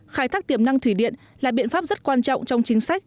khai thác tiềm năng thủy điện là biện pháp rất quan trọng trong chính sách